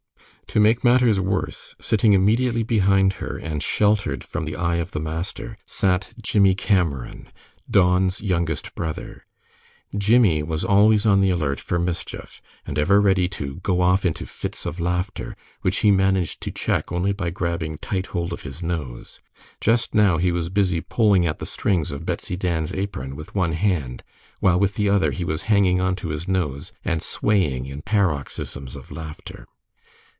To make matters worse, sitting immediately behind her, and sheltered from the eye of the master, sat Jimmie Cameron, Don's youngest brother. Jimmie was always on the alert for mischief, and ever ready to go off into fits of laughter, which he managed to check only by grabbing tight hold of his nose. Just now he was busy pulling at the strings of Betsy Dan's apron with one hand, while with the other he was hanging onto his nose, and swaying in paroxysms of laughter.